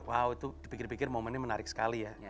wow itu dipikir pikir momennya menarik sekali ya